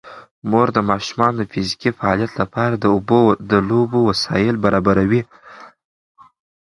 مور د ماشومانو د فزیکي فعالیت لپاره د لوبو وسایل برابروي.